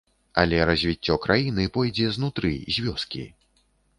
Але развіццё краіны пойдзе знутры, з вёскі.